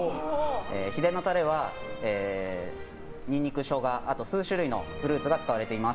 秘伝のタレはニンニク、ショウガ数種類のフルーツが使われています。